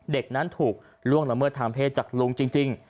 เด็กนั้นถูกล่วงละเมิดทางเพศจากลุงจริง